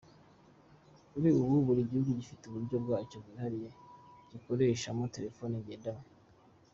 Kuri ubu, buri gihugu gifite uburyo bwacyo bwihariye gikoreshamo telefoni ngendanwa.